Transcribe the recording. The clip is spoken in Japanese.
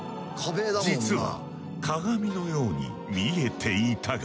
実は鏡のように見えていたが。